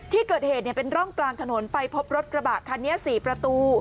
ที่เกิดเหตุเป็นร่องกลางถนนไปพบรถกระบะคันนี้๔ประตู